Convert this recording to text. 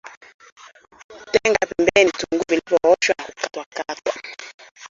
Tenga pembeni vitunguu vilivyooshwa na kukatwa katwa